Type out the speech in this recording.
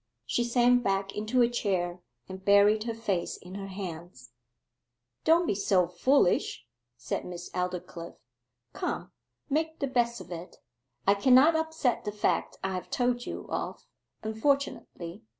She sank back into a chair, and buried her face in her hands. 'Don't be so foolish,' said Miss Aldclyffe. 'Come, make the best of it. I cannot upset the fact I have told you of, unfortunately.